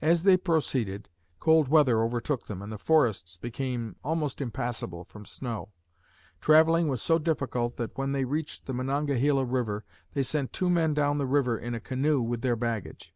As they proceeded, cold weather overtook them and the forests became almost impassable from snow. Traveling was so difficult that, when they reached the Monongahela River, they sent two men down the river in a canoe with their baggage.